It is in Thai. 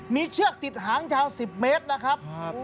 มีเชือกติดหางยาว๑๐เมตรนะครับ